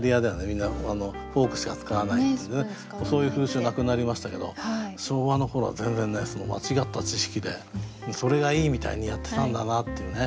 みんなフォークしか使わないっていうそういう風習なくなりましたけど昭和の頃は全然ねその間違った知識でそれがいいみたいにやってたんだなっていうね。